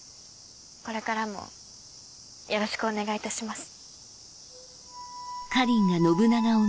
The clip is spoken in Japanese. これからもよろしくお願いいたします。